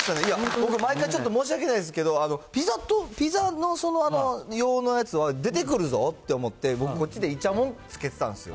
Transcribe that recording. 僕、毎回ちょっと申し訳ないですけど、ピザのその用のやつは出てくるぞって思って、僕、こっちでいちゃもんつけてたんですよ。